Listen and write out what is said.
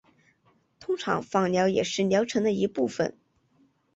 通常放疗也是疗程的一部分。